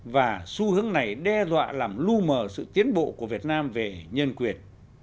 và xu hướng này đe dọa làm lưu mờ sự tiến bộ của việt nam về nhân quyền